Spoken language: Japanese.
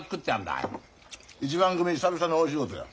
一番組久々の大仕事よ。